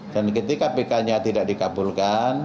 dan ketika pk nya tidak dikabulkan